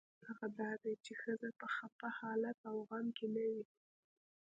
هغه دا دی چې ښځه په خپه حالت او غم کې نه وي.